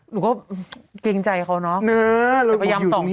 หนูก็เกรงใจเขาเนอะ